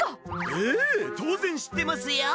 えぇ当然知ってますよ！